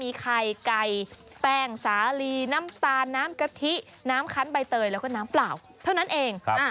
มีไข่ไก่แป้งสาลีน้ำตาลน้ำกะทิน้ำคันใบเตยแล้วก็น้ำเปล่าเท่านั้นเอง